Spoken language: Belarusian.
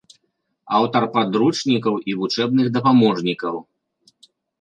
Аўтар падручнікаў і вучэбных дапаможнікаў.